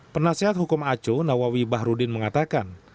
penasihat hukum aco nawawi bahrudin mengatakan